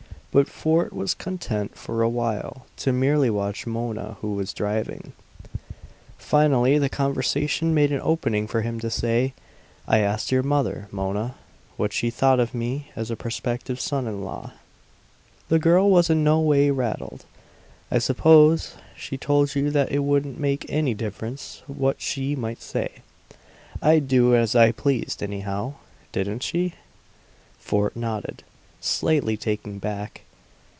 But Fort was content for a while to merely watch Mona, who was driving. Finally the conversation made an opening for him to say, "I asked your mother, Mona, what she thought of me as a prospective son in law." The girl was in no way rattled. "I suppose she told you that it wouldn't make any difference what she might say; I'd do as I pleased anyhow. Didn't she?" Fort nodded, slightly taken back.